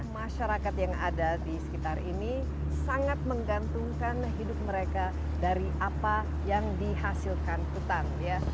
masyarakat yang ada di sekitar ini sangat menggantungkan hidup mereka dari apa yang dihasilkan hutan